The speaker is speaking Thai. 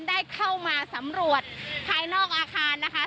ได้เข้ามาสำรวจภายนอกอาคารนะคะ